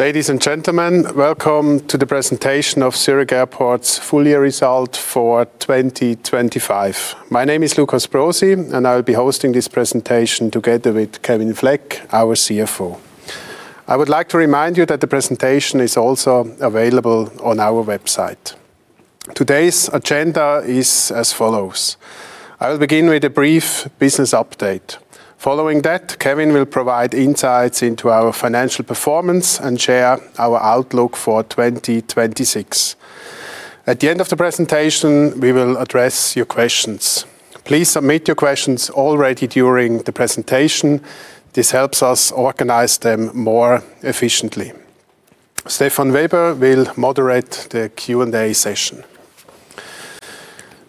Ladies and gentlemen, welcome to the presentation of Zurich Airport's full year result for 2025. My name is Lukas Brosi, and I'll be hosting this presentation together with Kevin Fleck, our CFO. I would like to remind you that the presentation is also available on our website. Today's agenda is as follows. I'll begin with a brief business update. Following that, Kevin will provide insights into our financial performance and share our outlook for 2026. At the end of the presentation, we will address your questions. Please submit your questions already during the presentation. This helps us organize them more efficiently. Stefan Weber will moderate the Q&A session.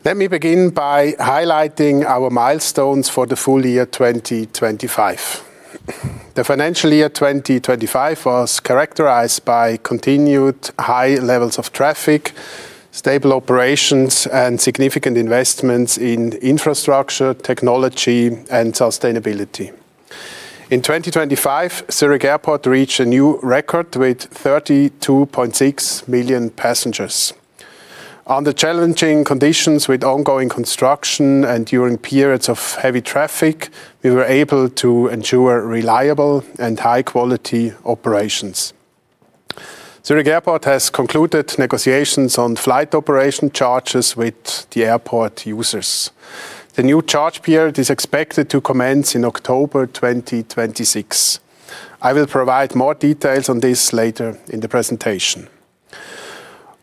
Let me begin by highlighting our milestones for the full year 2025. The financial year 2025 was characterized by continued high levels of traffic, stable operations, and significant investments in infrastructure, technology, and sustainability. In 2025, Zurich Airport reached a new record with 32.6 million passengers. Under challenging conditions with ongoing construction and during periods of heavy traffic, we were able to ensure reliable and high quality operations. Zurich Airport has concluded negotiations on flight operation charges with the airport users. The new charge period is expected to commence in October 2026. I will provide more details on this later in the presentation.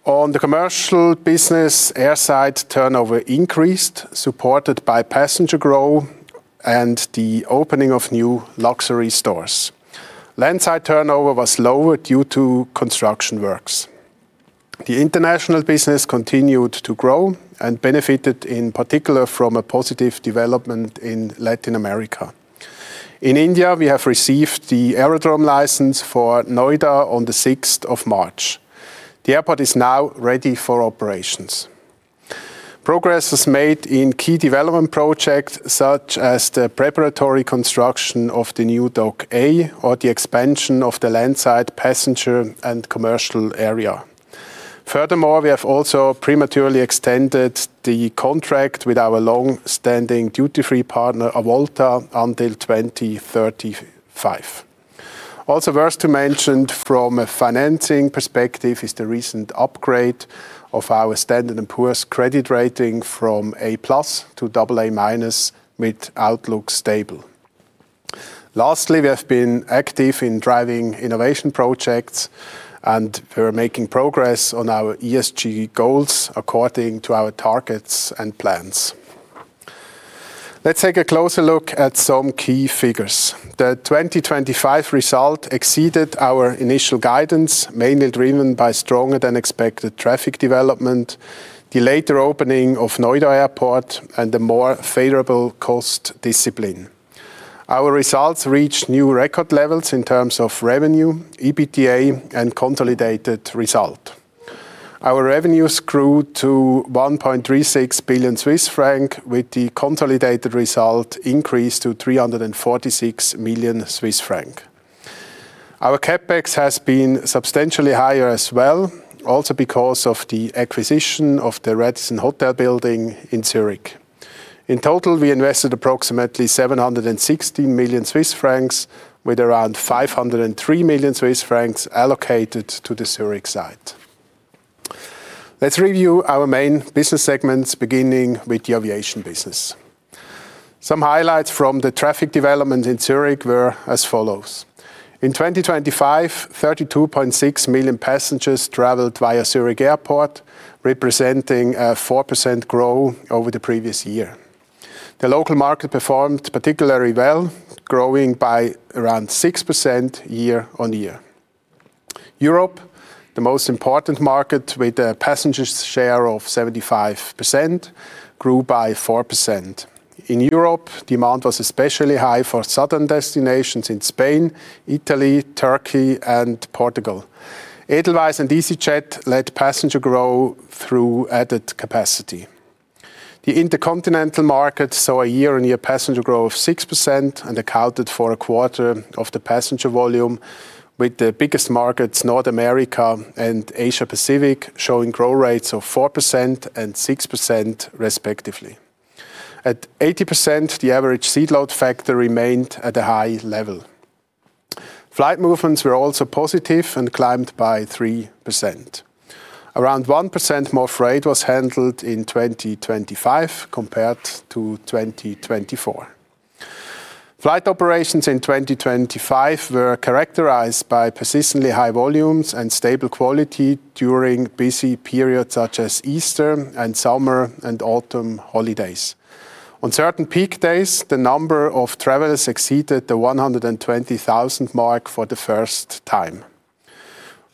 On the Commercial business, airside turnover increased, supported by passenger growth and the opening of new luxury stores. Landside turnover was lower due to construction works. The International business continued to grow and benefited in particular from a positive development in Latin America. In India, we have received the aerodrome license for Noida on 6th of March. The airport is now ready for operations. Progress is made in key development projects, such as the preparatory construction of the new Dock A or the expansion of the landside passenger and commercial area. Furthermore, we have also prematurely extended the contract with our long-standing duty-free partner, Avolta, until 2035. Also worth to mention from a financing perspective is the recent upgrade of our Standard & Poor's credit rating from A+ to AA- with outlook stable. Lastly, we have been active in driving innovation projects, and we're making progress on our ESG goals according to our targets and plans. Let's take a closer look at some key figures. The 2025 result exceeded our initial guidance, mainly driven by stronger than expected traffic development, the later opening of Noida Airport, and the more favorable cost discipline. Our results reached new record levels in terms of revenue, EBITDA, and consolidated result. Our revenues grew to 1.36 billion Swiss francs, with the consolidated result increased to 346 million Swiss francs. Our CapEx has been substantially higher as well, also because of the acquisition of the Radisson Blu Hotel building in Zurich. In total, we invested approximately 760 million Swiss francs, with around 503 million Swiss francs allocated to the Zurich site. Let's review our main business segments, beginning with the Aviation business. Some highlights from the traffic development in Zurich were as follows. In 2025, 32.6 million passengers traveled via Zurich Airport, representing a 4% growth over the previous year. The local market performed particularly well, growing by around 6% year-on-year. Europe, the most important market with a passenger share of 75%, grew by 4%. In Europe, demand was especially high for southern destinations in Spain, Italy, Turkey, and Portugal. Edelweiss and easyJet led passenger growth through added capacity. The intercontinental market saw a year-on-year passenger growth of 6% and accounted for a quarter of the passenger volume, with the biggest markets, North America and Asia Pacific, showing growth rates of 4% and 6% respectively. At 80%, the average seat load factor remained at a high level. Flight movements were also positive and climbed by 3%. Around 1% more freight was handled in 2025 compared to 2024. Flight operations in 2025 were characterized by persistently high volumes and stable quality during busy periods such as Easter and summer and autumn holidays. On certain peak days, the number of travelers exceeded the 120,000 mark for the first time.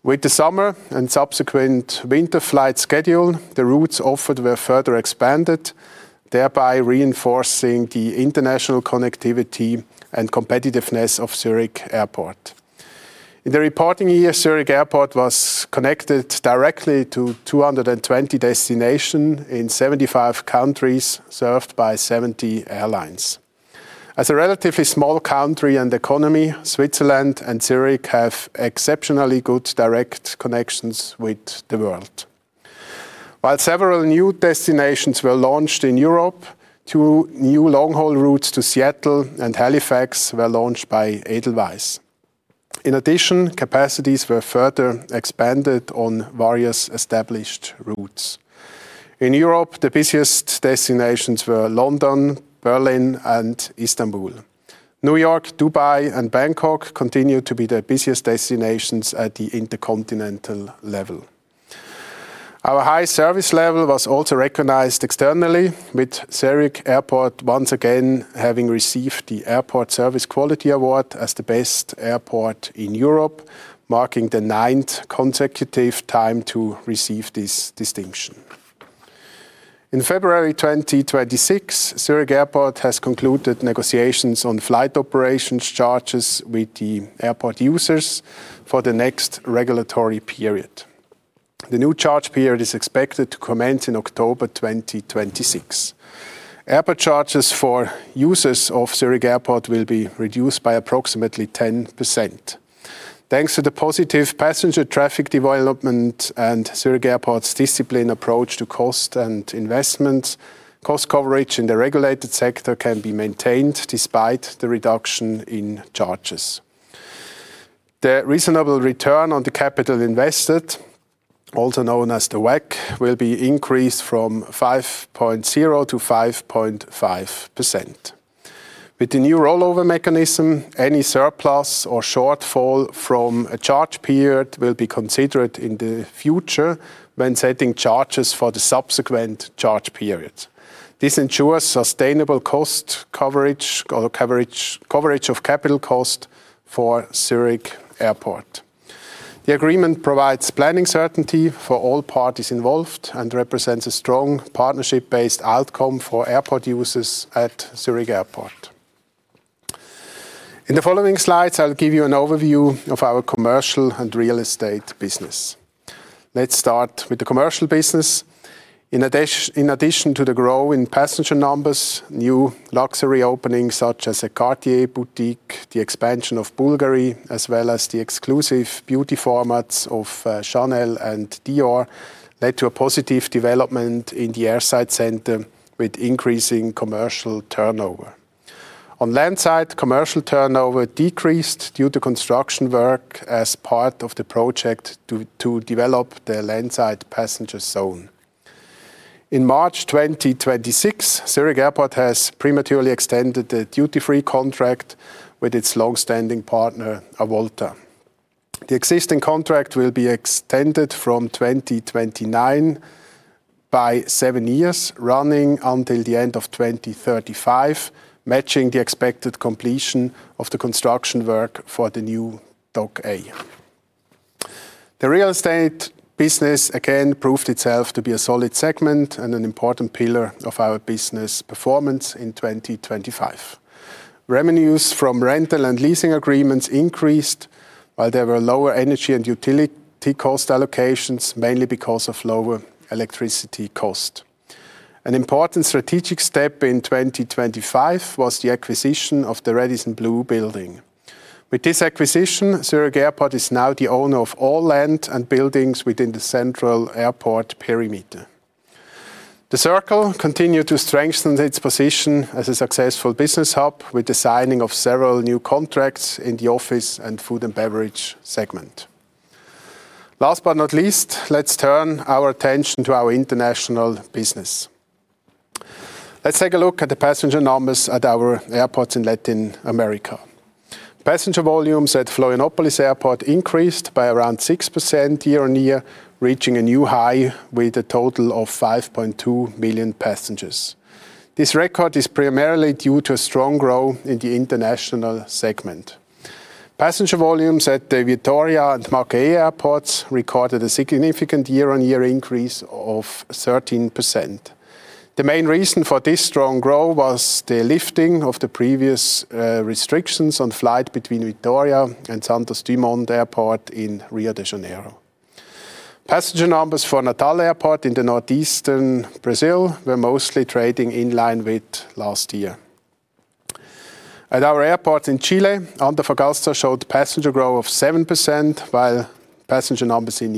With the summer and subsequent winter flight schedule, the routes offered were further expanded, thereby reinforcing the international connectivity and competitiveness of Zurich Airport. In the reporting year, Zurich Airport was connected directly to 220 destinations in 75 countries served by 70 airlines. As a relatively small country and economy, Switzerland and Zurich have exceptionally good direct connections with the world. While several new destinations were launched in Europe, two new long-haul routes to Seattle and Halifax were launched by Edelweiss. In addition, capacities were further expanded on various established routes. In Europe, the busiest destinations were London, Berlin, and Istanbul. New York, Dubai, and Bangkok continue to be the busiest destinations at the intercontinental level. Our high service level was also recognized externally with Zurich Airport once again having received the Airport Service Quality Award as the best airport in Europe, marking the ninth consecutive time to receive this distinction. In February 2026, Zurich Airport has concluded negotiations on flight operations charges with the airport users for the next regulatory period. The new charge period is expected to commence in October 2026. Airport charges for users of Zurich Airport will be reduced by approximately 10%. Thanks to the positive passenger traffic development and Zurich Airport's disciplined approach to cost and investment, cost coverage in the regulated sector can be maintained despite the reduction in charges. The reasonable return on the capital invested, also known as the WACC, will be increased from 5.0% to 5.5%. With the new rollover mechanism, any surplus or shortfall from a charge period will be considered in the future when setting charges for the subsequent charge periods. This ensures sustainable cost coverage or coverage of capital cost for Zurich Airport. The agreement provides planning certainty for all parties involved and represents a strong partnership-based outcome for airport users at Zurich Airport. In the following slides, I'll give you an overview of our Commercial and Real Estate business. Let's start with the Commercial business. In addition to the growth in passenger numbers, new luxury openings such as a Cartier boutique, the expansion of Bulgari, as well as the exclusive beauty formats of Chanel and Dior led to a positive development in the Airside Center with increasing commercial turnover. On landside, Commercial turnover decreased due to construction work as part of the project to develop the landside passenger zone. In March 2026, Zurich Airport has prematurely extended the duty-free contract with its long-standing partner, Avolta. The existing contract will be extended from 2029 by seven years, running until the end of 2035, matching the expected completion of the construction work for the new Dock A. The Real Estate business again proved itself to be a solid segment and an important pillar of our business performance in 2025. Revenues from rental and leasing agreements increased while there were lower energy and utility cost allocations, mainly because of lower electricity cost. An important strategic step in 2025 was the acquisition of the Radisson Blu building. With this acquisition, Zurich Airport is now the owner of all land and buildings within the central airport perimeter. The Circle continued to strengthen its position as a successful business hub with the signing of several new contracts in the office and Food and Beverage segment. Last but not least, let's turn our attention to our International business. Let's take a look at the passenger numbers at our airports in Latin America. Passenger volumes at Florianópolis Airport increased by around 6% year-on-year, reaching a new high with a total of 5.2 million passengers. This record is primarily due to a strong growth in the International segment. Passenger volumes at the Vitória and Macaé Airport recorded a significant year-on-year increase of 13%. The main reason for this strong growth was the lifting of the previous restrictions on flights between Vitória and Santos Dumont Airport in Rio de Janeiro. Passenger numbers for Natal Airport in the northeastern Brazil were mostly trading in line with last year. At our airport in Chile, Antofagasta showed passenger growth of 7%, while passenger numbers in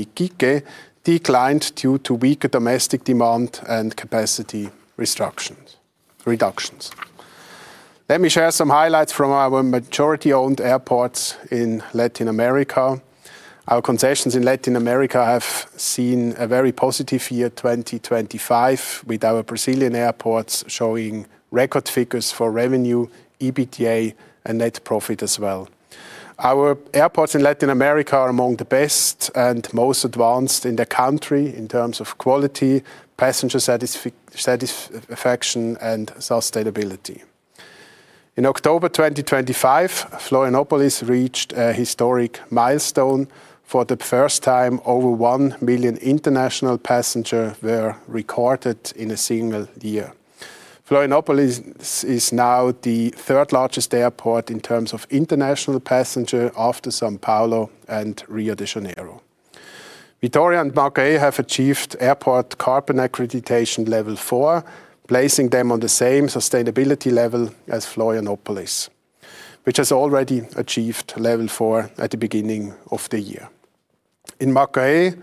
Iquique declined due to weaker domestic demand and capacity reductions. Let me share some highlights from our majority-owned airports in Latin America. Our concessions in Latin America have seen a very positive year 2025, with our Brazilian airports showing record figures for revenue, EBITDA, and net profit as well. Our airports in Latin America are among the best and most advanced in the country in terms of quality, passenger satisfaction, and sustainability. In October 2025, Florianópolis reached a historic milestone. For the first time, over 1 million international passengers were recorded in a single year. Florianópolis is now the third largest airport in terms of international passenger after São Paulo and Rio de Janeiro. Vitória and Macaé have achieved Airport Carbon Accreditation level IV, placing them on the same sustainability level as Florianópolis, which has already achieved level four at the beginning of the year. In Macaé,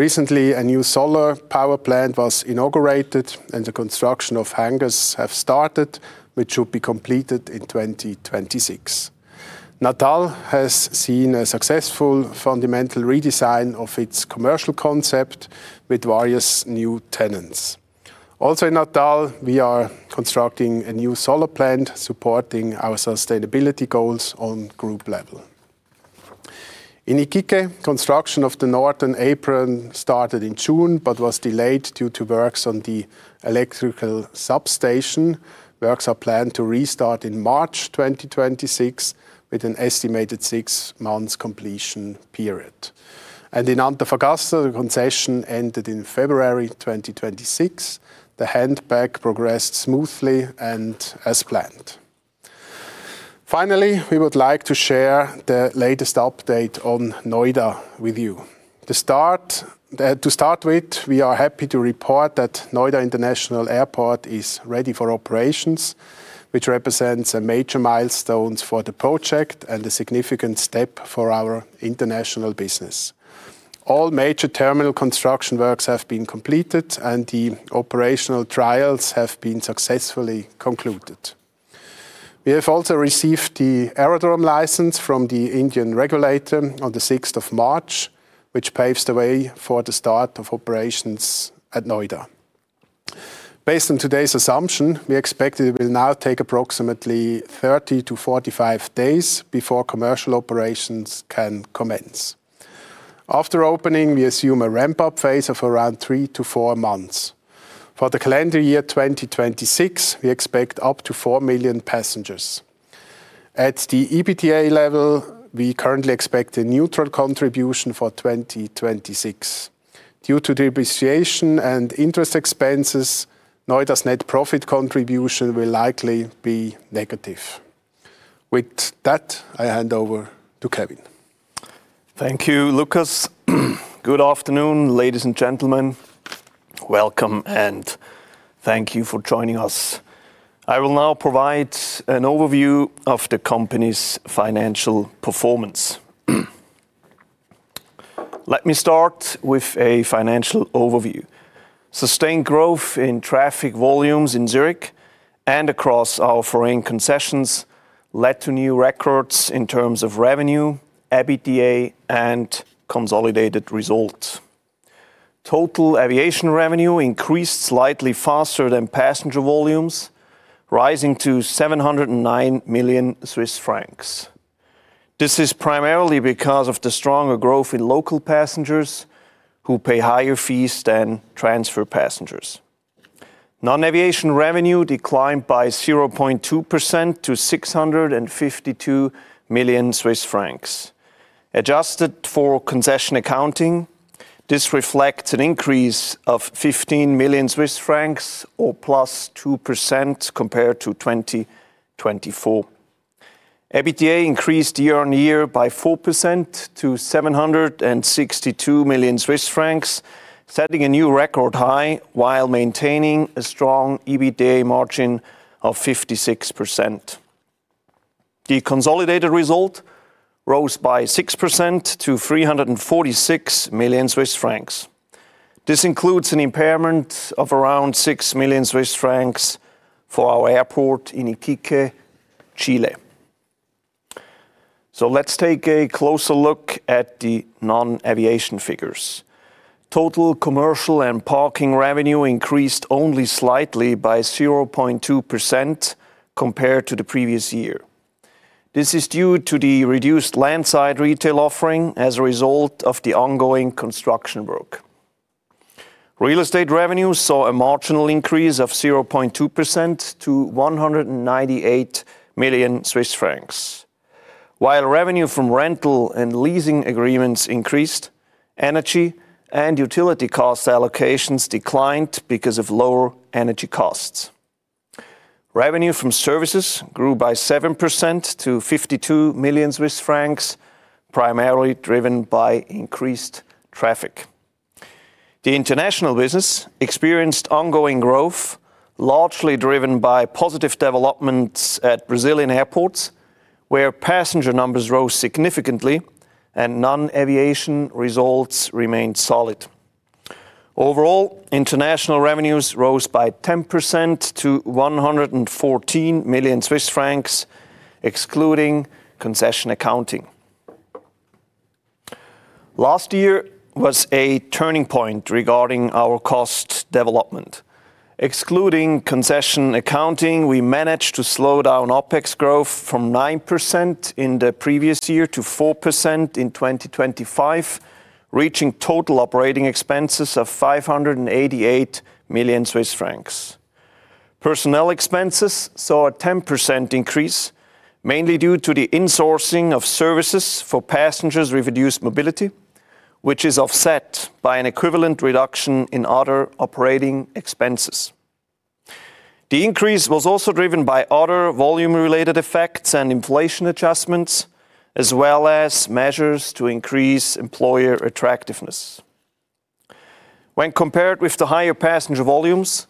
recently a new solar power plant was inaugurated and the construction of hangars have started, which should be completed in 2026. Natal has seen a successful fundamental redesign of its commercial concept with various new tenants. Also in Natal, we are constructing a new solar plant supporting our sustainability goals on group level. In Iquique, construction of the northern apron started in June, but was delayed due to works on the electrical substation. Works are planned to restart in March 2026, with an estimated six months completion period. In Antofagasta, the concession ended in February 2026. The hand back progressed smoothly and as planned. Finally, we would like to share the latest update on Noida with you. To start with, we are happy to report that Noida International Airport is ready for operations, which represents a major milestones for the project and a significant step for our International business. All major terminal construction works have been completed, and the operational trials have been successfully concluded. We have also received the Aerodrome License from the Indian regulator on the 6th of March, which paves the way for the start of operations at Noida. Based on today's assumption, we expect it will now take approximately 30-45 days before commercial operations can commence. After opening, we assume a ramp-up phase of around three to four months. For the calendar year 2026, we expect up to 4 million passengers. At the EBITDA level, we currently expect a neutral contribution for 2026. Due to depreciation and interest expenses, Noida's net profit contribution will likely be negative. With that, I hand over to Kevin. Thank you, Lukas. Good afternoon, ladies and gentlemen. Welcome and thank you for joining us. I will now provide an overview of the company's financial performance. Let me start with a financial overview. Sustained growth in traffic volumes in Zurich and across our foreign concessions led to new records in terms of revenue, EBITDA, and consolidated results. Total Aviation revenue increased slightly faster than passenger volumes, rising to 709 million Swiss francs. This is primarily because of the stronger growth in local passengers who pay higher fees than transfer passengers. Non-aviation revenue declined by 0.2% to 652 million Swiss francs. Adjusted for concession accounting, this reflects an increase of 15 million Swiss francs or +2% compared to 2024. EBITDA increased year-on-year by 4% to 762 million Swiss francs, setting a new record high while maintaining a strong EBITDA margin of 56%. The consolidated result rose by 6% to 346 million Swiss francs. This includes an impairment of around 6 million Swiss francs for our airport in Iquique, Chile. Let's take a closer look at the non-aviation figures. Total Commercial and Parking revenue increased only slightly by 0.2% compared to the previous year. This is due to the reduced landside retail offering as a result of the ongoing construction work. Real estate revenue saw a marginal increase of 0.2% to 198 million Swiss francs. While revenue from rental and leasing agreements increased, energy and utility cost allocations declined because of lower energy costs. Revenue from services grew by 7% to 52 million Swiss francs, primarily driven by increased traffic. The International business experienced ongoing growth, largely driven by positive developments at Brazilian airports, where passenger numbers rose significantly and non-aviation results remained solid. Overall, International revenues rose by 10% to 114 million Swiss francs, excluding concession accounting. Last year was a turning point regarding our cost development. Excluding concession accounting, we managed to slow down OpEx growth from 9% in the previous year to 4% in 2025, reaching total operating expenses of 588 million Swiss francs. Personnel expenses saw a 10% increase, mainly due to the insourcing of services for passengers with reduced mobility, which is offset by an equivalent reduction in other operating expenses. The increase was also driven by other volume-related effects and inflation adjustments, as well as measures to increase employer attractiveness. When compared with the higher passenger volumes,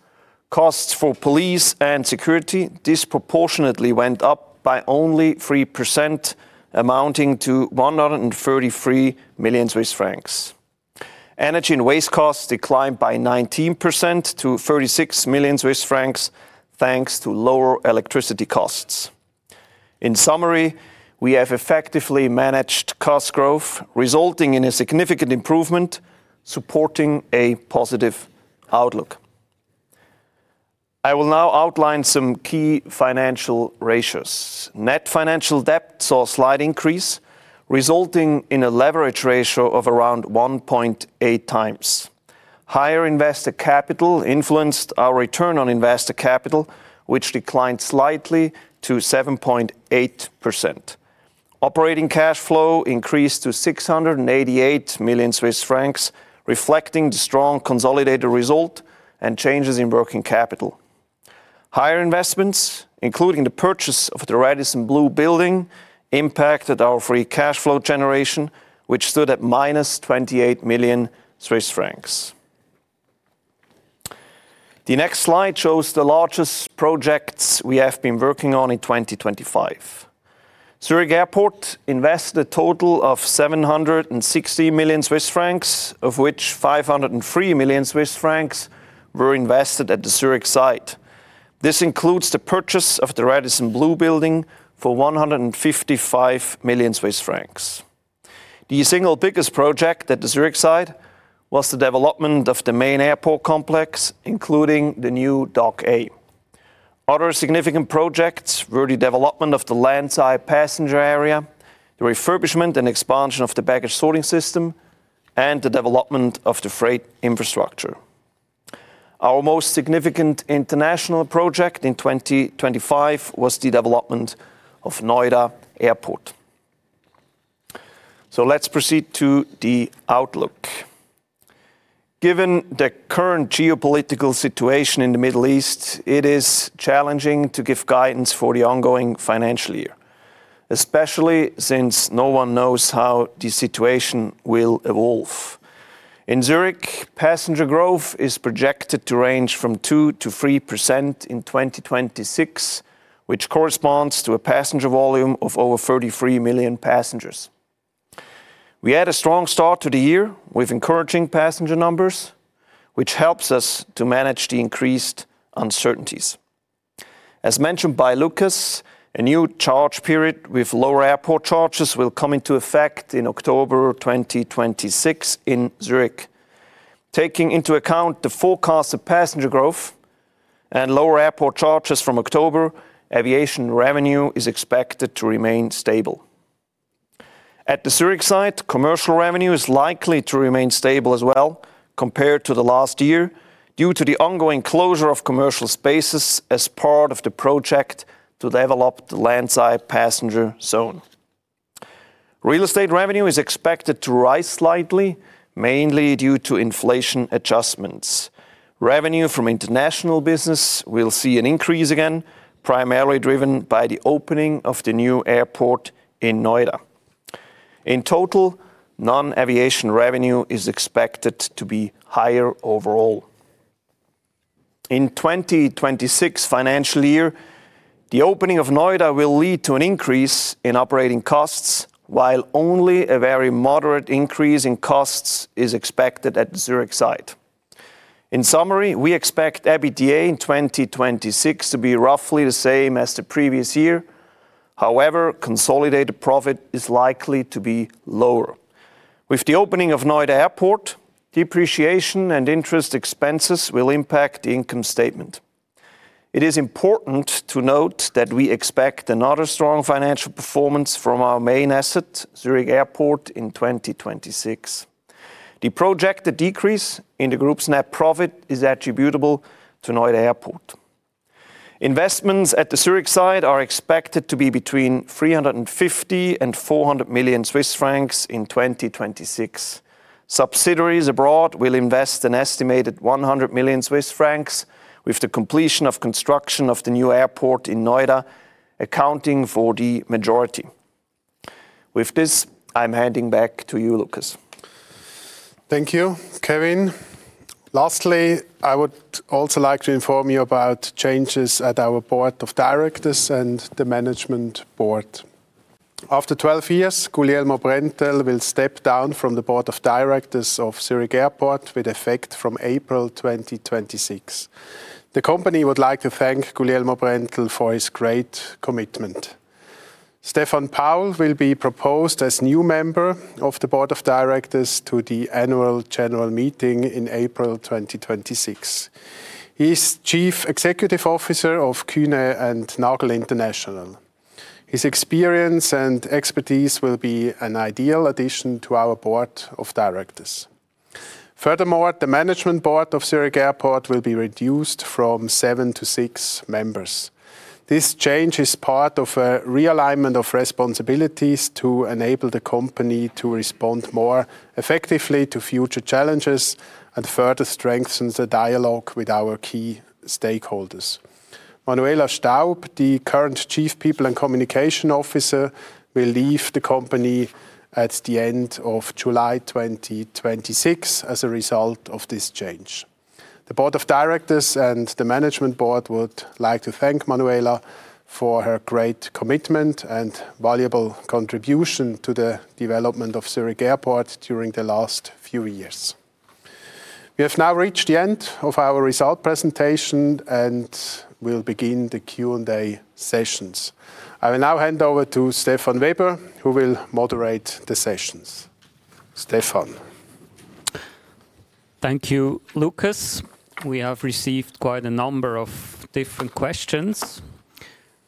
costs for police and security disproportionately went up by only 3%, amounting to 133 million Swiss francs. Energy and waste costs declined by 19% to 36 million Swiss francs, thanks to lower electricity costs. In summary, we have effectively managed cost growth, resulting in a significant improvement, supporting a positive outlook. I will now outline some key financial ratios. Net financial debt saw a slight increase, resulting in a leverage ratio of around 1.8x. Higher investor capital influenced our return on investor capital, which declined slightly to 7.8%. Operating cash flow increased to 688 million Swiss francs, reflecting the strong consolidated result and changes in working capital. Higher investments, including the purchase of the Radisson Blu building, impacted our free cash flow generation, which stood at -28 million Swiss francs. The next slide shows the largest projects we have been working on in 2025. Zurich Airport invested a total of 760 million Swiss francs, of which 503 million Swiss francs were invested at the Zurich site. This includes the purchase of the Radisson Blu building for 155 million Swiss francs. The single biggest project at the Zurich site was the development of the main airport complex, including the new Dock A. Other significant projects were the development of the landside passenger area, the refurbishment and expansion of the baggage sorting system, and the development of the freight infrastructure. Our most significant international project in 2025 was the development of Noida Airport. Let's proceed to the outlook. Given the current geopolitical situation in the Middle East, it is challenging to give guidance for the ongoing financial year, especially since no one knows how the situation will evolve. In Zürich, passenger growth is projected to range from 2%-3% in 2026, which corresponds to a passenger volume of over 33 million passengers. We had a strong start to the year with encouraging passenger numbers, which helps us to manage the increased uncertainties. As mentioned by Lukas, a new charge period with lower airport charges will come into effect in October 2026 in Zürich. Taking into account the forecasted passenger growth and lower airport charges from October, Aviation revenue is expected to remain stable. At the Zurich site, Commercial revenue is likely to remain stable as well compared to the last year due to the ongoing closure of commercial spaces as part of the project to develop the landside passenger zone. Real Estate revenue is expected to rise slightly, mainly due to inflation adjustments. Revenue from International business will see an increase again, primarily driven by the opening of the new airport in Noida. In total, Non-aviation revenue is expected to be higher overall. In 2026 financial year, the opening of Noida will lead to an increase in operating costs, while only a very moderate increase in costs is expected at the Zurich site. In summary, we expect EBITDA in 2026 to be roughly the same as the previous year. However, consolidated profit is likely to be lower. With the opening of Noida Airport, depreciation and interest expenses will impact the income statement. It is important to note that we expect another strong financial performance from our main asset, Zurich Airport, in 2026. The projected decrease in the group's net profit is attributable to Noida Airport. Investments at the Zurich site are expected to be between 350 million and 400 million Swiss francs in 2026. Subsidiaries abroad will invest an estimated 100 million Swiss francs with the completion of construction of the new airport in Noida, accounting for the majority. With this, I'm handing back to you, Lukas. Thank you, Kevin. Lastly, I would also like to inform you about changes at our Board of Directors and the Management Board. After 12 years, Guglielmo Brentel will step down from the Board of Directors of Zurich Airport with effect from April 2026. The company would like to thank Guglielmo Brentel for his great commitment. Stefan Paul will be proposed as new member of the Board of Directors to the Annual General Meeting in April 2026. He is Chief Executive Officer of Kuehne + Nagel International. His experience and expertise will be an ideal addition to our Board of Directors. Furthermore, the management board of Zurich Airport will be reduced from seven to six members. This change is part of a realignment of responsibilities to enable the company to respond more effectively to future challenges and further strengthen the dialogue with our key stakeholders. Manuela Staub, the current Chief People and Communication Officer, will leave the company at the end of July 2026 as a result of this change. The Board of Directors and the management board would like to thank Manuela for her great commitment and valuable contribution to the development of Zurich Airport during the last few years. We have now reached the end of our result presentation, and we'll begin the Q&A sessions. I will now hand over to Stefan Weber, who will moderate the sessions. Stefan. Thank you, Lukas. We have received quite a number of different questions.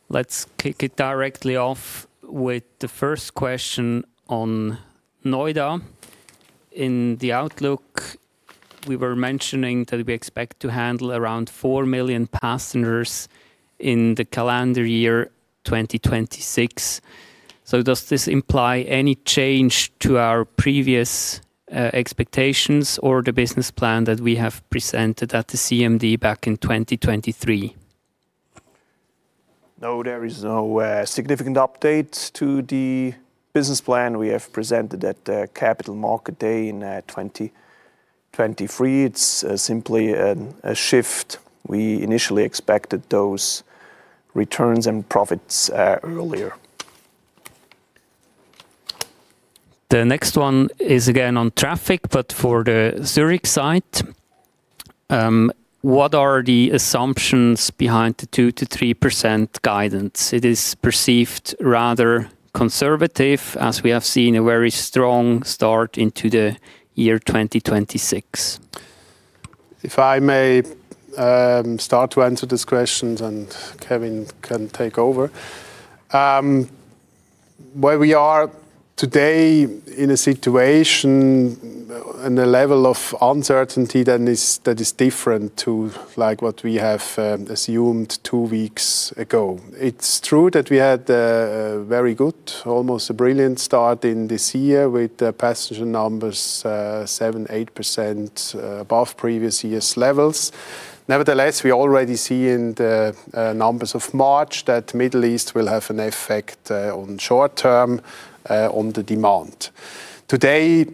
Let's kick it directly off with the first question on Noida. In the outlook, we were mentioning that we expect to handle around 4 million passengers in the calendar year 2026. Does this imply any change to our previous expectations or the business plan that we have presented at the CMD back in 2023? No, there is no significant update to the business plan we have presented at the Capital Markets Day in 2023. It's simply a shift. We initially expected those returns and profits earlier. The next one is again on traffic, but for the Zurich site. What are the assumptions behind the 2%-3% guidance? It is perceived rather conservative, as we have seen a very strong start into the year 2026. If I may start to answer these questions and Kevin can take over. Where we are today in a situation and a level of uncertainty that is different to like what we have assumed two weeks ago. It's true that we had a very good, almost a brilliant start in this year with the passenger numbers 7%-8% above previous years' levels. Nevertheless, we already see in the numbers of March that Middle East will have an effect on short-term on the demand. Today,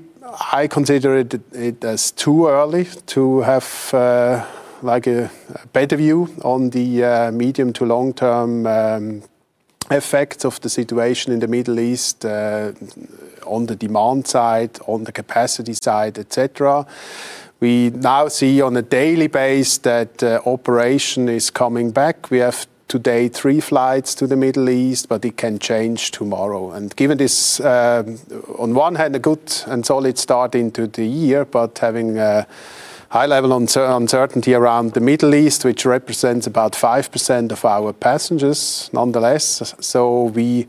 I consider it as too early to have like a better view on the medium- to long-term effects of the situation in the Middle East on the demand side, on the capacity side, et cetera. We now see on a daily basis that operation is coming back. We have today three flights to the Middle East, but it can change tomorrow. Given this, on one hand a good and solid start into the year, but having a high level uncertainty around the Middle East, which represents about 5% of our passengers nonetheless. So we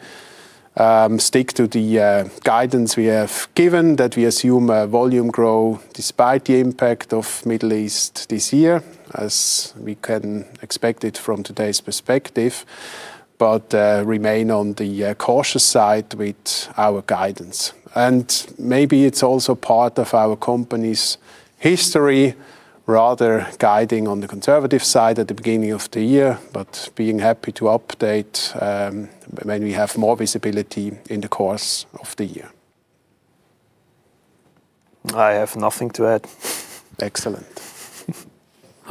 stick to the guidance we have given that we assume a volume growth despite the impact of Middle East this year, as we can expect it from today's perspective, but remain on the cautious side with our guidance. Maybe it's also part of our company's history, rather guiding on the conservative side at the beginning of the year, but being happy to update when we have more visibility in the course of the year. I have nothing to add. Excellent.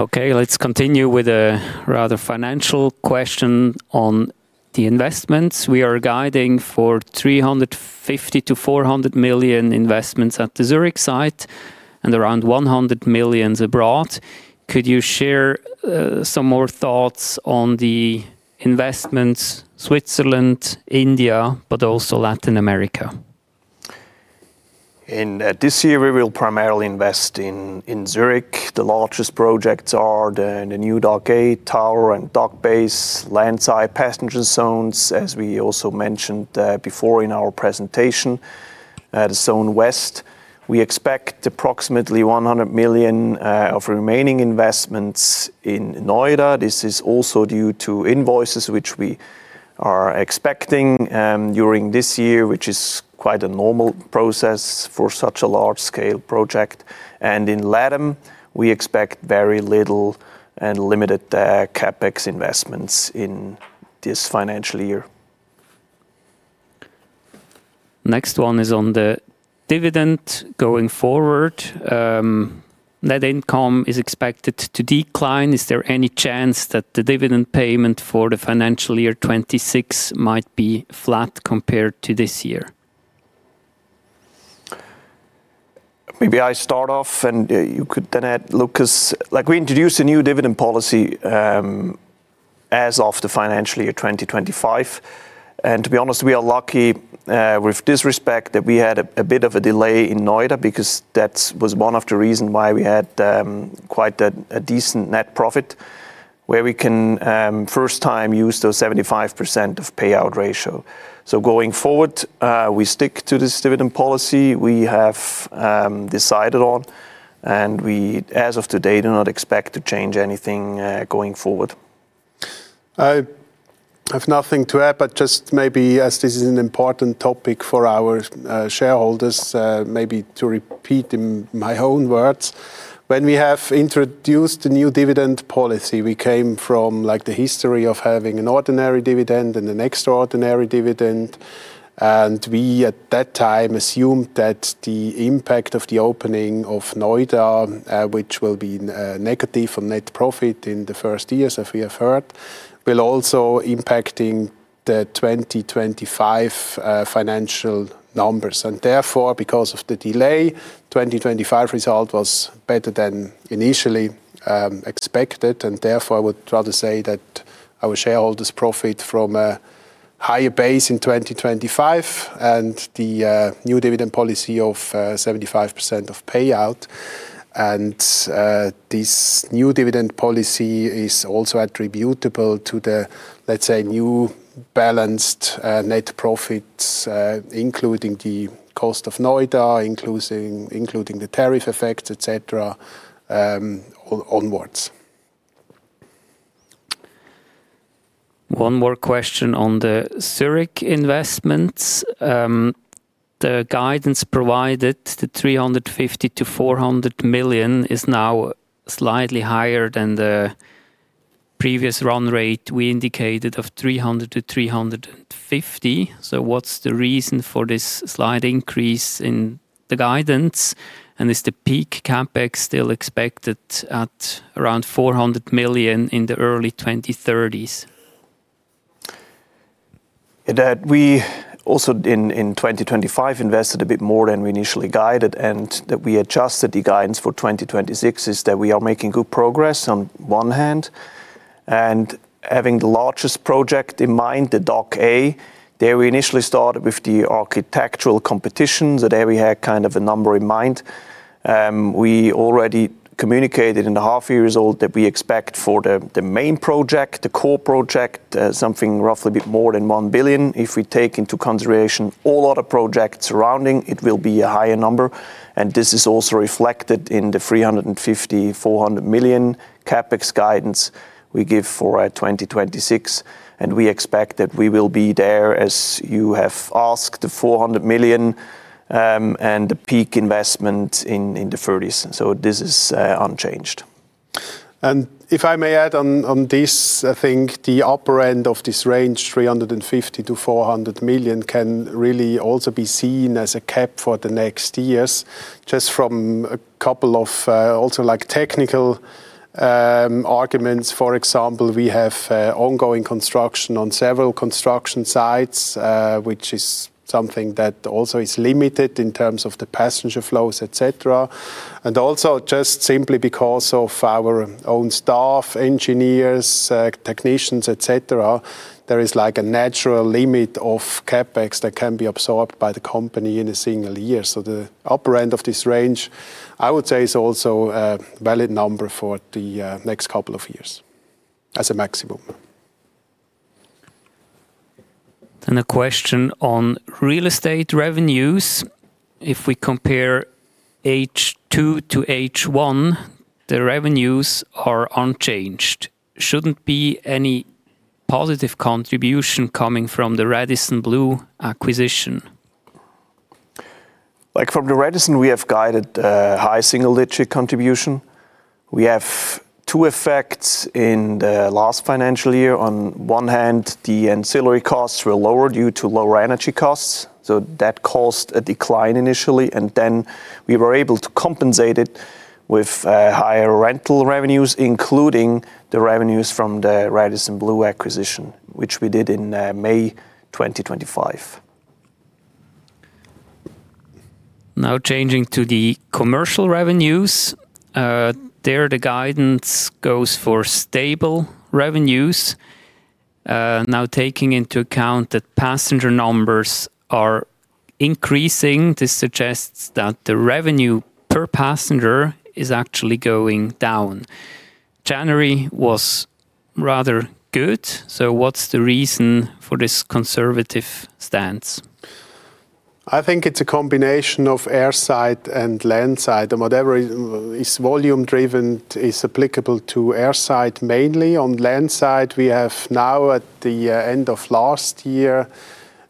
Okay, let's continue with a rather financial question on the investments. We are guiding for 350 million-400 million investments at the Zurich site and around 100 million abroad. Could you share some more thoughts on the investments, Switzerland, India, but also Latin America? In this year, we will primarily invest in Zürich. The largest projects are the new Dock A tower and dock base, landside passenger zones, as we also mentioned before in our presentation, the Zone West. We expect approximately 100 million of remaining investments in Noida. This is also due to invoices which we are expecting during this year, which is quite a normal process for such a large scale project. In LATAM, we expect very little and limited CapEx investments in this financial year. Next one is on the dividend going forward. Net income is expected to decline. Is there any chance that the dividend payment for the financial year 2026 might be flat compared to this year? Maybe I start off and you could then add, Lukas. Like, we introduced a new dividend policy as of the financial year 2025. To be honest, we are lucky despite that we had a bit of a delay in Noida because that was one of the reasons why we had quite a decent net profit. Where we can first time use those 75% of payout ratio. Going forward, we stick to this dividend policy we have decided on, and we as of today do not expect to change anything going forward. I have nothing to add, but just maybe as this is an important topic for our shareholders, maybe to repeat in my own words. When we have introduced the new dividend policy, we came from like the history of having an ordinary dividend and an extraordinary dividend. We at that time assumed that the impact of the opening of Noida, which will be negative on net profit in the first years as we have heard, will also impact the 2025 financial numbers. Therefore, because of the delay, 2025 result was better than initially expected. Therefore, I would rather say that our shareholders profit from a higher base in 2025 and the new dividend policy of 75% of payout. This new dividend policy is also attributable to the, let's say, new balanced net profits, including the cost of Noida, the tariff effect, et cetera, onwards. One more question on the Zürich investments. The guidance provided, the 350 million-400 million, is now slightly higher than the previous run rate we indicated of 300 million-350 million. What's the reason for this slight increase in the guidance? And is the peak CapEx still expected at around 400 million in the early 2030s? That we also in 2025 invested a bit more than we initially guided, and that we adjusted the guidance for 2026 is that we are making good progress on one hand. Having the largest project in mind, the Dock A, there we initially started with the architectural competitions. There we had kind of a number in mind. We already communicated in the half year result that we expect for the main project, the core project, something roughly a bit more than 1 billion. If we take into consideration all other projects surrounding, it will be a higher number. This is also reflected in the 350 million-400 million CapEx guidance we give for 2026. We expect that we will be there, as you have asked, 400 million, and the peak investment in the 30s. This is unchanged. If I may add on this, I think the upper end of this range, 350 million-400 million, can really also be seen as a cap for the next years, just from a couple of, also like technical, arguments. For example, we have ongoing construction on several construction sites, which is something that also is limited in terms of the passenger flows, et cetera. Also just simply because of our own staff, engineers, technicians, et cetera, there is like a natural limit of CapEx that can be absorbed by the company in a single year. The upper end of this range, I would say is also a valid number for the next couple of years as a maximum. A question on Real Estate revenues. If we compare H2 to H1, the revenues are unchanged. Shouldn't be any positive contribution coming from the Radisson Blu acquisition? Like from the Radisson Blu, we have guided high single-digit contribution. We have two effects in the last financial year. On one hand, the ancillary costs were lower due to lower energy costs, so that caused a decline initially. Then we were able to compensate it with higher rental revenues, including the revenues from the Radisson Blu acquisition, which we did in May 2025. Now changing to the Commercial revenues. There the guidance goes for stable revenues. Now taking into account that passenger numbers are increasing, this suggests that the revenue per passenger is actually going down. January was rather good, so what's the reason for this conservative stance? I think it's a combination of airside and landside, and whatever is volume driven is applicable to airside mainly. On landside, we have now at the end of last year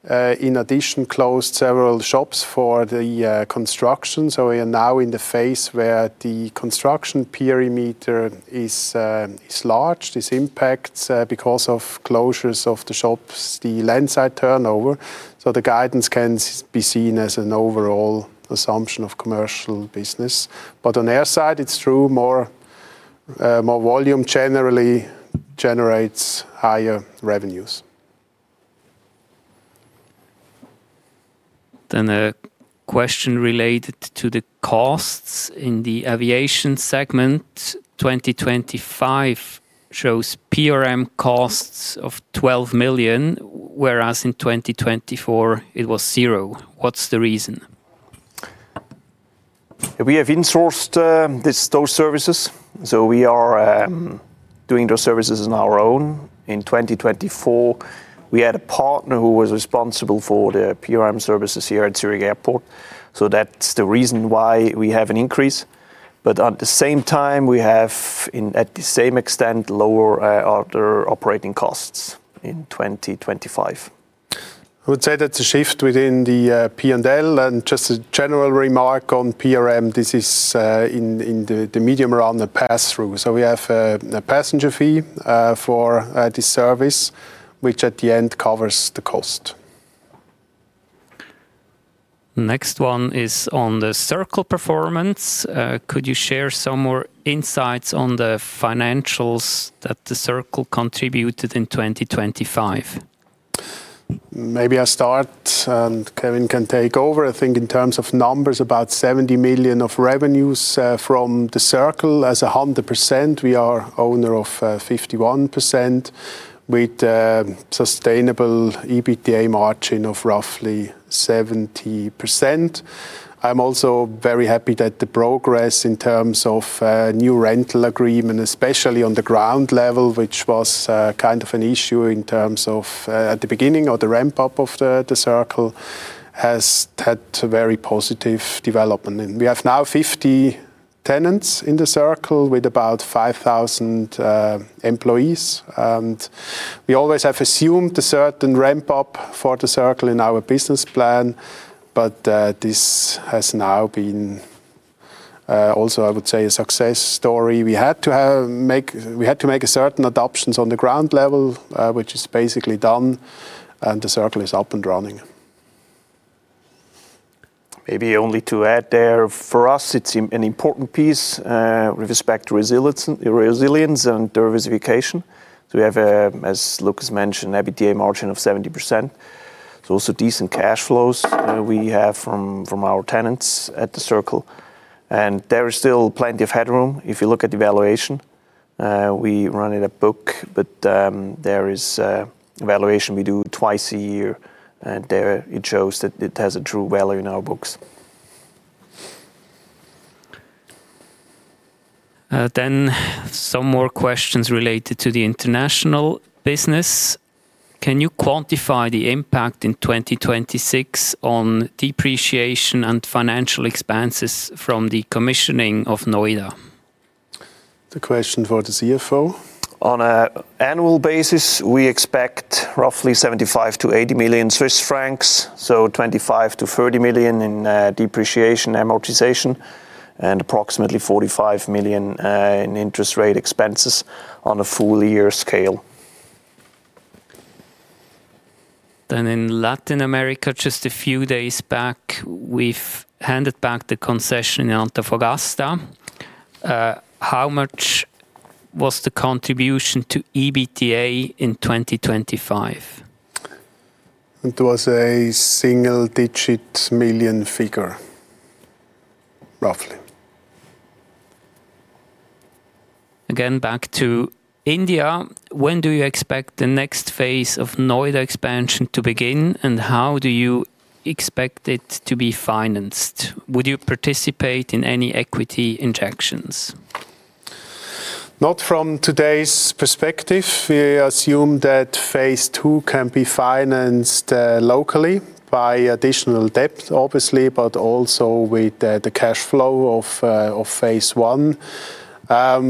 in addition closed several shops for the construction. We are now in the phase where the construction perimeter is large. This impacts, because of closures of the shops, the landside turnover. The guidance can be seen as an overall assumption of Commercial business. But on airside it's true, more volume generally generates higher revenues. A question related to the costs in the Aviation segment. 2025 shows PRM costs of 12 million, whereas in 2024 it was 0. What's the reason? We have in-sourced those services, so we are doing those services on our own. In 2024 we had a partner who was responsible for the PRM services here at Zurich Airport, so that's the reason why we have an increase. At the same time, we have, at the same extent, lower other operating costs in 2025. I would say that's a shift within the P&L and just a general remark on PRM. This is in the medium around the pass-through. We have the passenger fee for the service, which at the end covers the cost. Next one is on the Circle performance. Could you share some more insights on the financials that the Circle contributed in 2025? Maybe I start and Kevin can take over. I think in terms of numbers, about 70 million of revenues from the Circle. As 100% we are owner of 51% with sustainable EBITDA margin of roughly 70%. I'm also very happy that the progress in terms of new rental agreement, especially on the ground level, which was kind of an issue in terms of at the beginning or the ramp up of the Circle, has had a very positive development. We have now 50 tenants in the Circle with about 5,000 employees. We always have assumed a certain ramp up for the Circle in our business plan, but this has now been also I would say a success story. We had to make... We had to make certain adaptations on the ground level, which is basically done, and The Circle is up and running. Maybe only to add there, for us it's an important piece with respect to resilience and diversification. We have, as Lukas mentioned, EBITDA margin of 70%. Also decent cash flows we have from our tenants at the Circle. There is still plenty of headroom. If you look at the valuation, we run it at book, but there is a valuation we do twice a year, and there it shows that it has a true value in our books. Some more questions related to the International business. Can you quantify the impact in 2026 on depreciation and financial expenses from the commissioning of Noida? The question for the CFO. On an annual basis, we expect roughly 75 million-80 million Swiss francs, so 25 million-30 million in depreciation amortization, and approximately 45 million in interest rate expenses on a full year scale. In Latin America, just a few days back, we've handed back the concession in Antofagasta. How much was the contribution to EBITDA in 2025? It was a single-digit million CHF figure, roughly. Again, back to India. When do you expect the next phase of Noida expansion to begin, and how do you expect it to be financed? Would you participate in any equity injections? Not from today's perspective. We assume that phase II can be financed locally by additional debt, obviously, but also with the cash flow of phase I.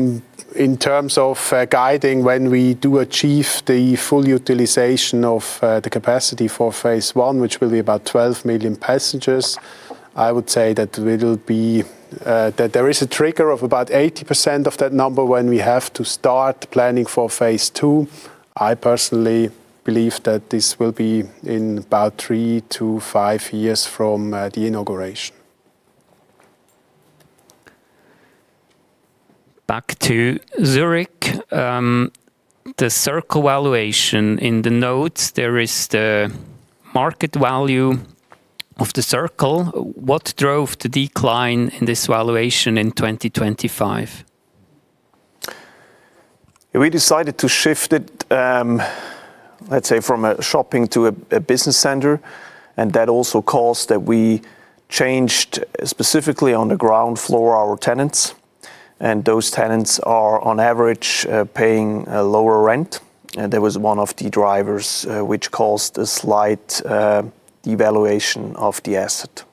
In terms of guiding, when we do achieve the full utilization of the capacity for phase I, which will be about 12 million passengers, I would say that it'll be that there is a trigger of about 80% of that number when we have to start planning for phase II. I personally believe that this will be in about three to five years from the inauguration. Back to Zurich. The Circle valuation. In the notes, there is the market value of the Circle. What drove the decline in this valuation in 2025? We decided to shift it, let's say from a shopping to a business center, and that also caused that we changed, specifically on the ground floor, our tenants, and those tenants are on average paying a lower rent. That was one of the drivers which caused a slight devaluation of the asset.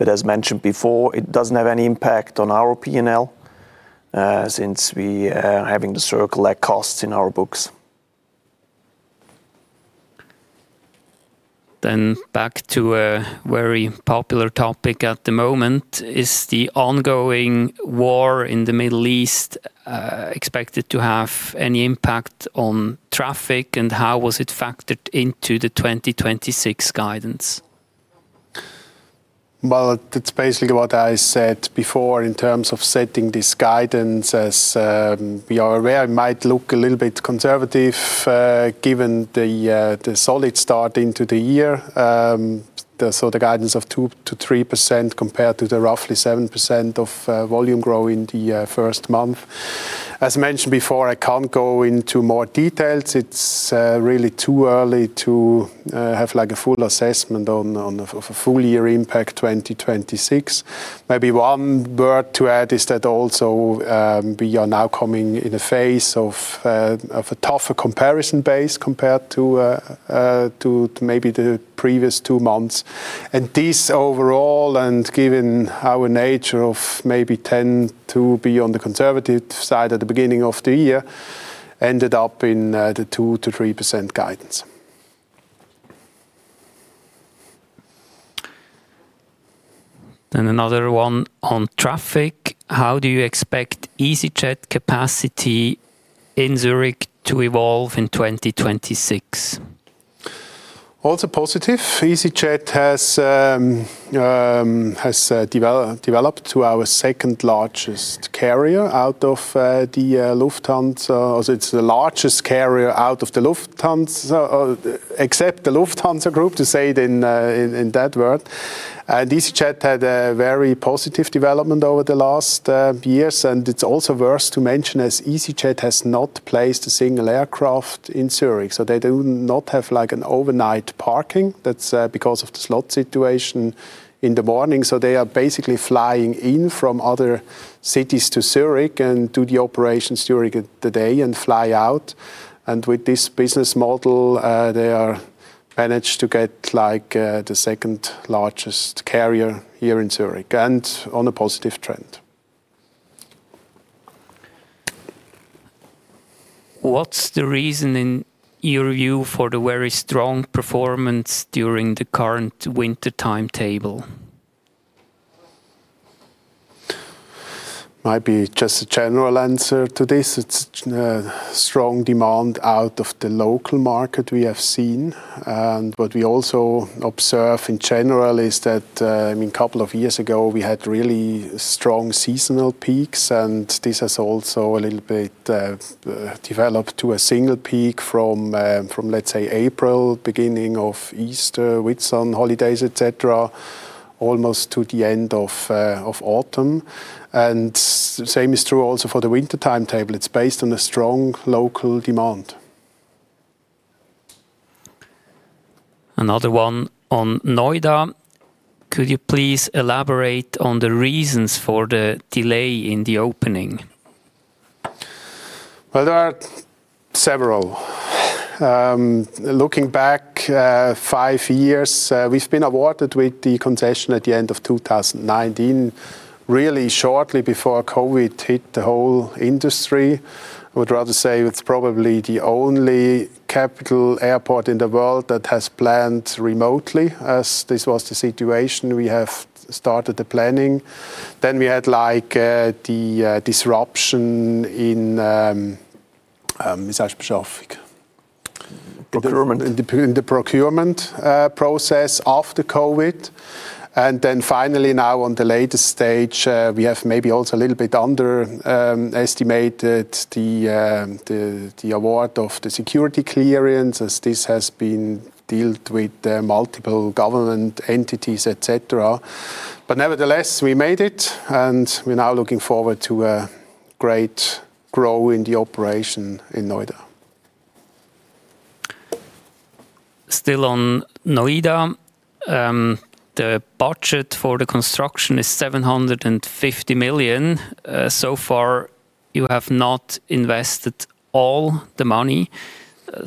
As mentioned before, it doesn't have any impact on our P&L since we having the Circle at cost in our books. Back to a very popular topic at the moment. Is the ongoing war in the Middle East expected to have any impact on traffic, and how was it factored into the 2026 guidance? Well, that's basically what I said before in terms of setting this guidance, as we are aware it might look a little bit conservative, given the solid start into the year. The guidance of 2%-3% compared to the roughly 7% of volume growth in the first month. As mentioned before, I can't go into more details. It's really too early to have, like, a full assessment on the full year impact for 2026. Maybe one word to add is that also, we are now coming in a phase of a tougher comparison base compared to maybe the previous two months. This overall, and given our nature of maybe tend to be on the conservative side at the beginning of the year, ended up in the 2%-3% guidance. Another one on traffic. How do you expect easyJet capacity in Zurich to evolve in 2026? Also positive. easyJet has developed to our second largest carrier out of the Lufthansa. It's the largest carrier out of the Lufthansa except the Lufthansa Group, to say it in that word. easyJet had a very positive development over the last years. It's also worth to mention as easyJet has not placed a single aircraft in Zurich, so they do not have like an overnight parking. That's because of the slot situation in the morning. They are basically flying in from other cities to Zurich and do the operations during the day and fly out. With this business model, they have managed to get like the second largest carrier here in Zurich and on a positive trend. What's the reason, in your view, for the very strong performance during the current winter timetable? Might be just a general answer to this. It's strong demand out of the local market we have seen. What we also observe in general is that, I mean, couple of years ago we had really strong seasonal peaks, and this has also a little bit developed to a single peak from, let's say, April, beginning of Easter, Whitsun holidays, et cetera, almost to the end of autumn. Same is true also for the winter timetable. It's based on a strong local demand. Another one on Noida. Could you please elaborate on the reasons for the delay in the opening? Well, there are several. Looking back five years, we've been awarded with the concession at the end of 2019, really shortly before COVID hit the whole industry. I would rather say it's probably the only capital airport in the world that has planned remotely, as this was the situation we have started the planning. We had, like, the disruption in. Procurement. In the procurement process after COVID. Then finally now on the latest stage, we have maybe also a little bit underestimated the award of the security clearance, as this has been dealt with the multiple government entities, et cetera. Nevertheless, we made it, and we're now looking forward to a great growth in the operation in Noida. Still on Noida. The budget for the construction is 750 million. So far, you have not invested all the money.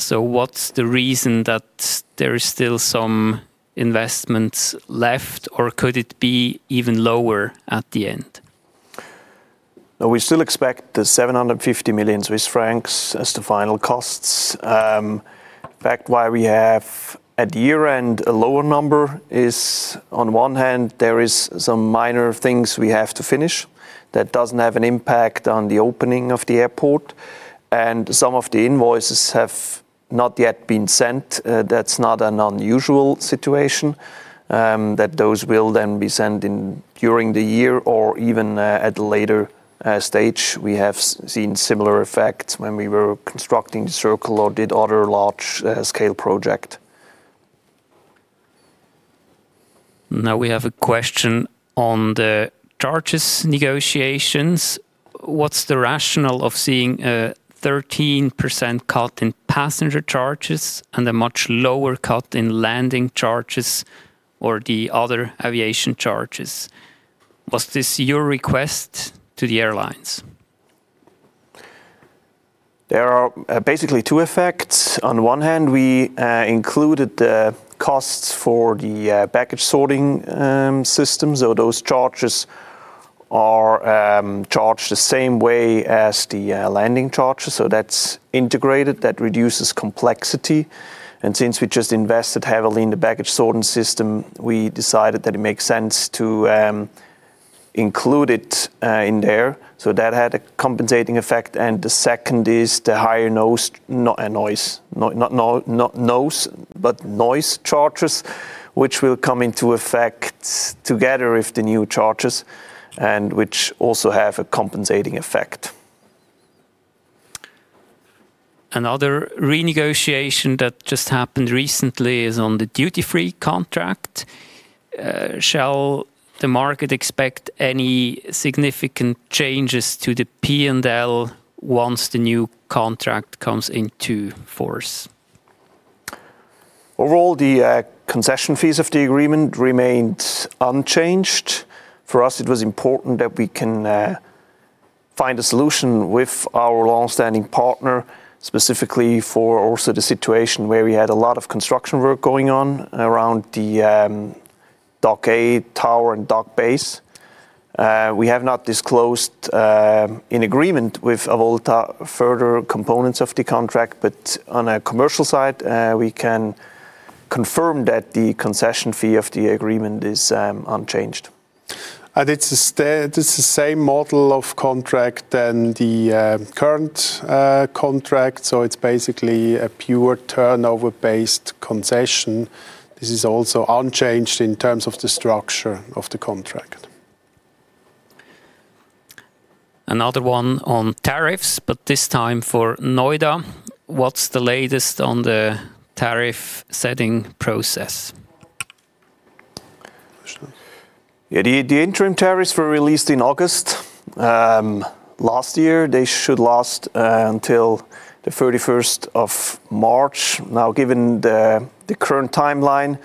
What's the reason that there is still some investments left, or could it be even lower at the end? We still expect 750 million Swiss francs as the final costs. In fact, why we have at year-end a lower number is, on one hand, there is some minor things we have to finish that doesn't have an impact on the opening of the airport, and some of the invoices have not yet been sent. That's not an unusual situation, that those will then be sent in during the year or even at a later stage. We have seen similar effects when we were constructing The Circle or did other large scale project. Now we have a question on the charges negotiations. What's the rationale of seeing a 13% cut in passenger charges and a much lower cut in landing charges or the other aviation charges? Was this your request to the airlines? There are basically two effects. On one hand, we included the costs for the baggage sorting systems, so those charges are charged the same way as the landing charges, so that's integrated. That reduces complexity. Since we just invested heavily in the baggage sorting system, we decided that it makes sense to include it in there, so that had a compensating effect. The second is the higher noise charges, which will come into effect together with the new charges and which also have a compensating effect. Another renegotiation that just happened recently is on the duty-free contract. Shall the market expect any significant changes to the P&L once the new contract comes into force? Overall, the concession fees of the agreement remained unchanged. For us, it was important that we can find a solution with our long-standing partner, specifically for also the situation where we had a lot of construction work going on around the Dock A tower and Dock B. We have not disclosed, in agreement with Avolta, further components of the contract, but on a Commercial side, we can confirm that the concession fee of the agreement is unchanged. It's the same model of contract as the current contract, so it's basically a pure turnover-based concession. This is also unchanged in terms of the structure of the contract. Another one on tariffs, but this time for Noida. What's the latest on the tariff setting process? Yeah, the interim tariffs were released in August last year. They should last until the 31st of March. Now, given the current timeline,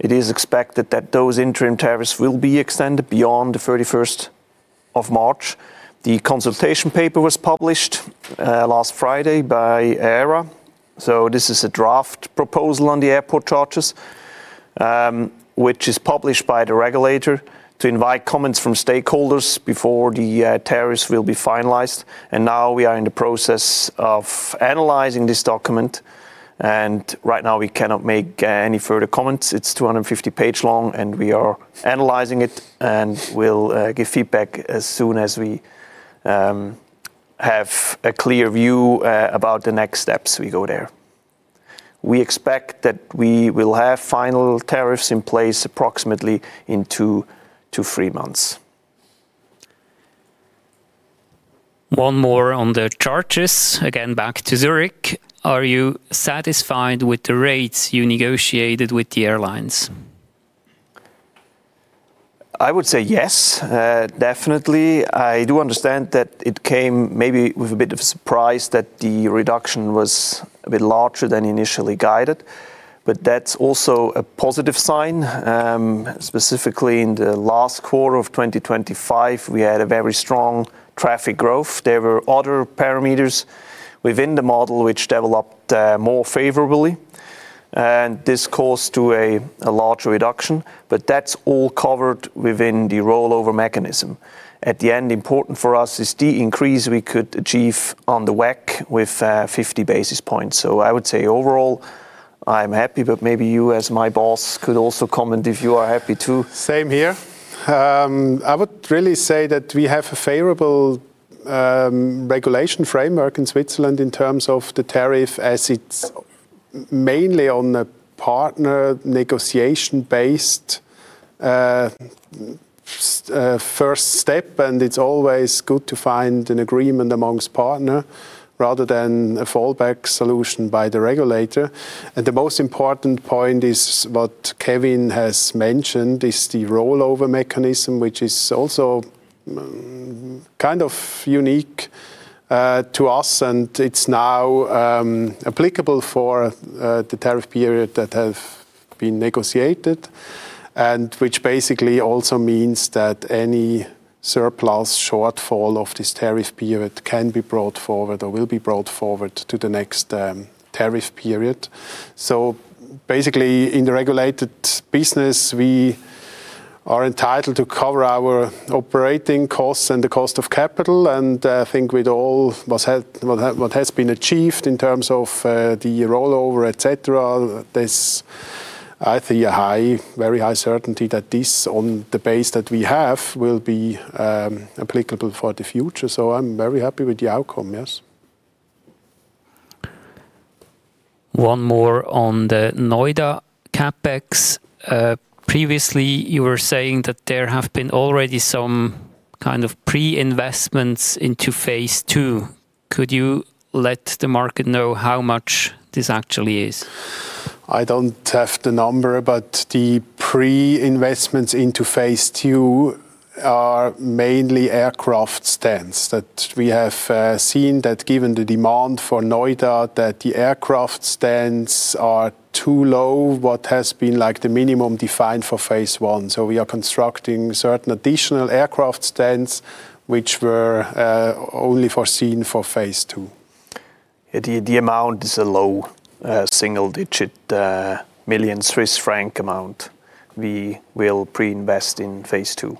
it is expected that those interim tariffs will be extended beyond the 31st of March. The consultation paper was published last Friday by AERA. This is a draft proposal on the airport charges, which is published by the regulator to invite comments from stakeholders before the tariffs will be finalized. Now we are in the process of analyzing this document, and right now we cannot make any further comments. It's 250-page long, and we are analyzing it, and we'll give feedback as soon as we have a clear view about the next steps we go there. We expect that we will have final tariffs in place approximately in two-three months. One more on the charges. Again, back to Zürich. Are you satisfied with the rates you negotiated with the airlines? I would say yes, definitely. I do understand that it came maybe with a bit of surprise that the reduction was a bit larger than initially guided, but that's also a positive sign. Specifically in the last quarter of 2025, we had a very strong traffic growth. There were other parameters within the model which developed more favorably, and this caused to a large reduction. That's all covered within the rollover mechanism. At the end, important for us is the increase we could achieve on the WACC with 50 basis points. I would say overall I'm happy, but maybe you as my boss could also comment if you are happy too. Same here. I would really say that we have a favorable regulatory framework in Switzerland in terms of the tariff as it's mainly on a partner negotiation-based first step, and it's always good to find an agreement among partners rather than a fallback solution by the regulator. The most important point is what Kevin has mentioned, is the rollover mechanism, which is also kind of unique to us, and it's now applicable for the tariff period that have been negotiated, and which basically also means that any surplus or shortfall of this tariff period can be brought forward or will be brought forward to the next tariff period. Basically, in the regulated business, we are entitled to cover our operating costs and the cost of capital, and I think with what has been achieved in terms of the rollover, et cetera, there's I think a high, very high certainty that this on the basis that we have will be applicable for the future. I'm very happy with the outcome. Yes. One more on the Noida CapEx. Previously, you were saying that there have been already some kind of pre-investments into phase II. Could you let the market know how much this actually is? I don't have the number, but the pre-investments into phase II are mainly aircraft stands that we have seen that given the demand for Noida that the aircraft stands are too low, what has been like the minimum defined for phase I. We are constructing certain additional aircraft stands which were only foreseen for phase II. The amount is a low single-digit million CHF amount we will pre-invest in phase II.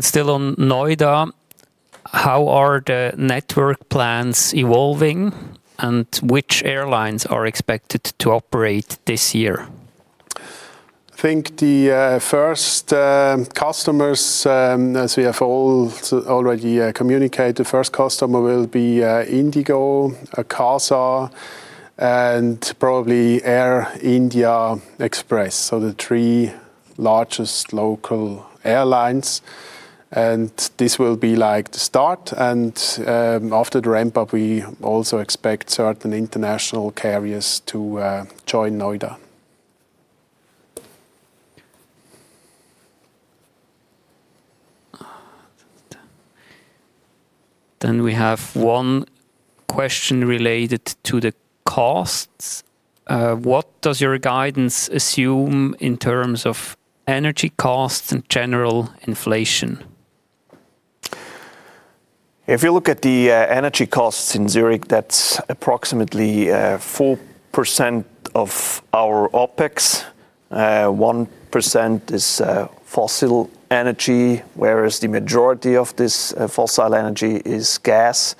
Still on Noida, how are the network plans evolving and which airlines are expected to operate this year? I think the first customers, as we have all already communicated, first customer will be IndiGo, Akasa, and probably Air India Express. The three largest local airlines, this will be like the start and after the ramp up, we also expect certain international carriers to join Noida. We have one question related to the costs. What does your guidance assume in terms of energy costs and general inflation? If you look at the energy costs in Zurich, that's approximately 4% of our OpEx. One percent is fossil energy, whereas the majority of this fossil energy is gas.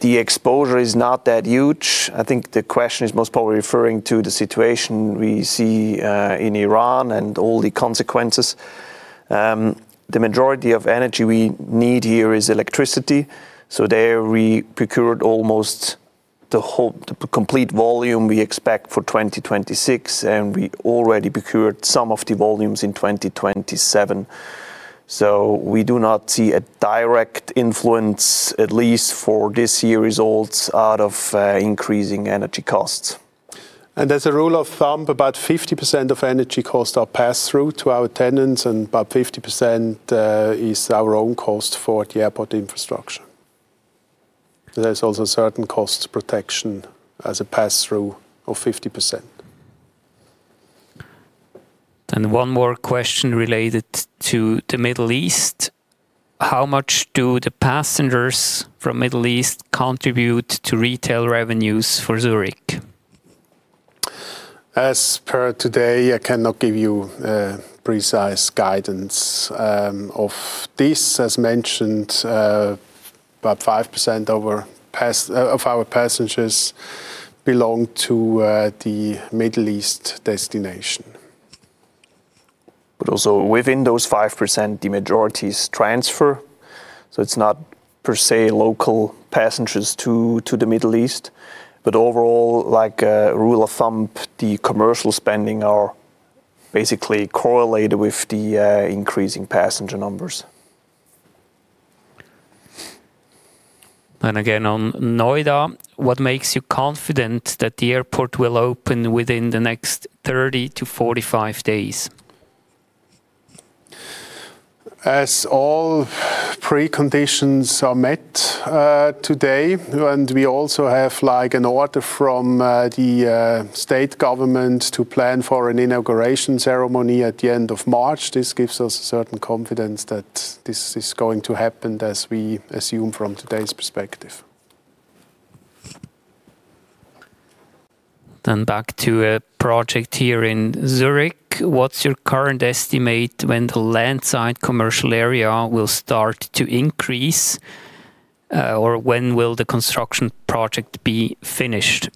The exposure is not that huge. I think the question is most probably referring to the situation we see in Iran and all the consequences. The majority of energy we need here is electricity, so there we procured almost the complete volume we expect for 2026, and we already procured some of the volumes in 2027. We do not see a direct influence, at least for this year results, out of increasing energy costs. As a rule of thumb, about 50% of energy costs are passed through to our tenants and about 50% is our own cost for the airport infrastructure. There's also certain cost protection as a pass-through of 50%. One more question related to the Middle East. How much do the passengers from Middle East contribute to Retail revenues for Zurich? As per today, I cannot give you precise guidance of this. As mentioned, about 5% of our passengers belong to the Middle East destination. Also within those 5%, the majority is transfer, so it's not per se local passengers to the Middle East. Overall, like a rule of thumb, the commercial spending are basically correlated with the increasing passenger numbers. Again, on Noida, what makes you confident that the airport will open within the next 30-45 days? As all preconditions are met today, and we also have, like, an order from the state government to plan for an inauguration ceremony at the end of March, this gives us a certain confidence that this is going to happen as we assume from today's perspective. Back to a project here in Zurich. What's your current estimate when the land side commercial area will start to increase, or when will the construction project be finished?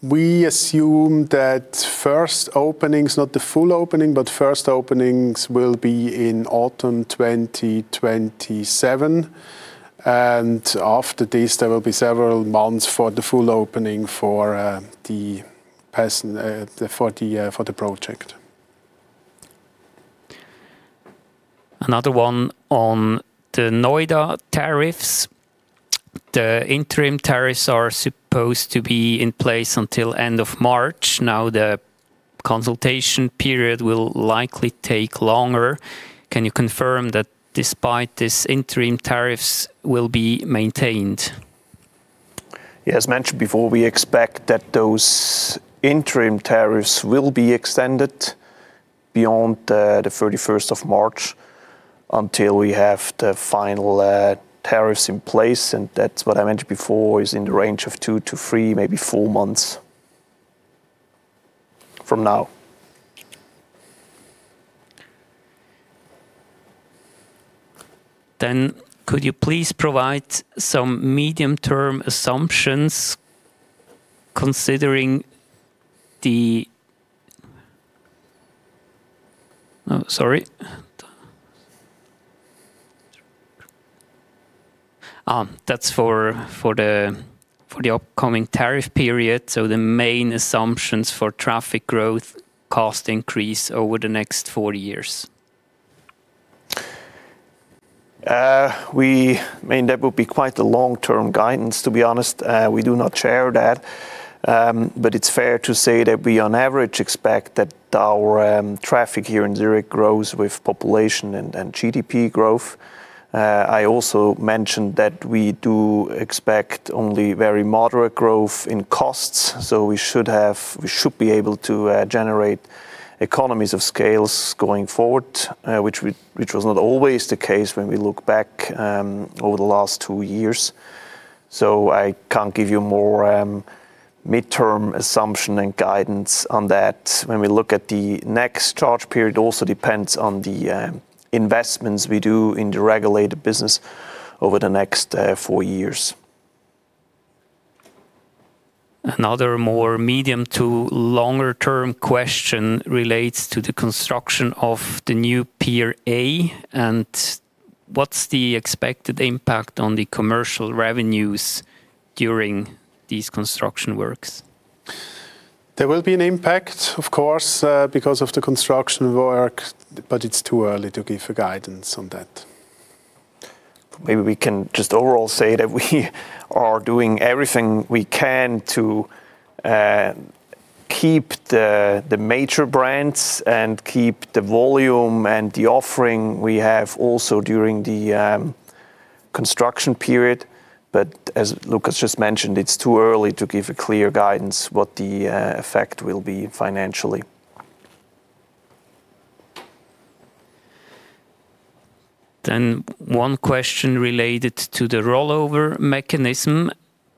We assume that first openings, not the full opening, but first openings will be in autumn 2027, and after this there will be several months for the full opening for the project. Another one on the Noida tariffs. The interim tariffs are supposed to be in place until end of March. Now the consultation period will likely take longer. Can you confirm that despite this, interim tariffs will be maintained? As mentioned before, we expect that those interim tariffs will be extended beyond the 31st of March until we have the final tariffs in place. That's what I mentioned before, is in the range of two to three, maybe four months from now. Could you please provide some medium-term assumptions. That's for the upcoming tariff period. The main assumptions for traffic growth, cost increase over the next 40 years. That would be quite the long-term guidance, to be honest. We do not share that. It's fair to say that we on average expect that our traffic here in Zurich grows with population and GDP growth. I also mentioned that we do expect only very moderate growth in costs, so we should be able to generate economies of scale going forward, which was not always the case when we look back over the last two years. I can't give you more midterm assumption and guidance on that. When we look at the next charge period, it also depends on the investments we do in the regulated business over the next four years. Another more medium to longer term question relates to the construction of the new Dock A. What's the expected impact on the Commercial revenues during these construction works? There will be an impact, of course, because of the construction work, but it's too early to give a guidance on that. Maybe we can just overall say that we are doing everything we can to keep the major brands and keep the volume and the offering we have also during the construction period. As Lukas just mentioned, it's too early to give a clear guidance what the effect will be financially. One question related to the rollover mechanism.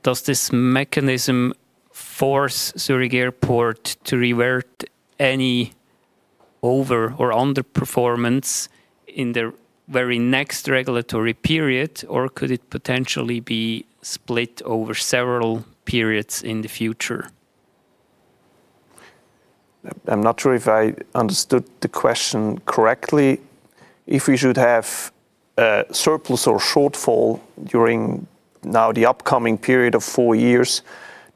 Does this mechanism force Zurich Airport to revert any over or underperformance in the very next regulatory period, or could it potentially be split over several periods in the future? I'm not sure if I understood the question correctly. If we should have a surplus or shortfall during now the upcoming period of four years,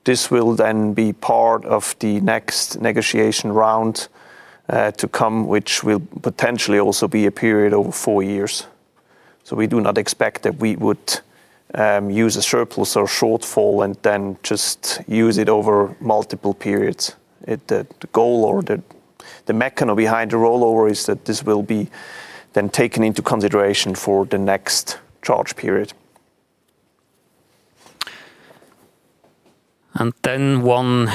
this will then be part of the next negotiation round to come, which will potentially also be a period of four years. We do not expect that we would use a surplus or shortfall and then just use it over multiple periods. The goal or the mechanism behind the rollover is that this will be then taken into consideration for the next charge period. One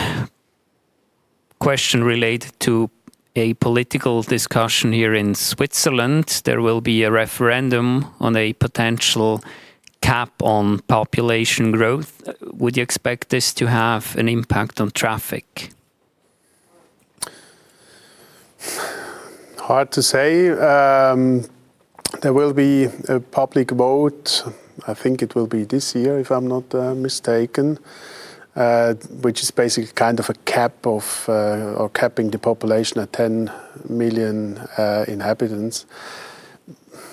question related to a political discussion here in Switzerland. There will be a referendum on a potential cap on population growth. Would you expect this to have an impact on traffic? Hard to say. There will be a public vote, I think it will be this year if I'm not mistaken, which is basically kind of capping the population at 10 million inhabitants.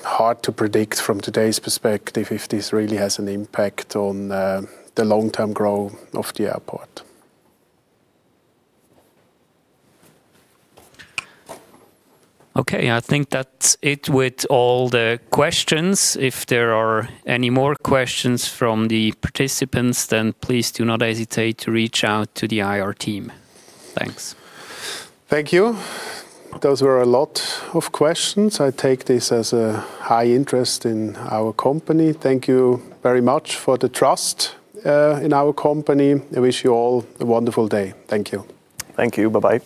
Hard to predict from today's perspective if this really has an impact on the long-term growth of the airport. Okay, I think that's it with all the questions. If there are any more questions from the participants, then please do not hesitate to reach out to the IR team. Thanks. Thank you. Those were a lot of questions. I take this as a high interest in our company. Thank you very much for the trust in our company. I wish you all a wonderful day. Thank you. Thank you. Bye-bye.